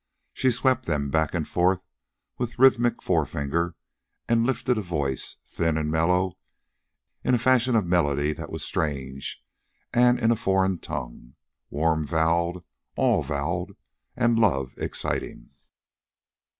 She swept them back and forth with rhythmic forefinger and lifted a voice, thin and mellow, in a fashion of melody that was strange, and in a foreign tongue, warm voweled, all voweled, and love exciting.